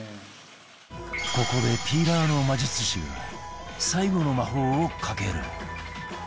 ここでピーラーの魔術師が最後の魔法をかける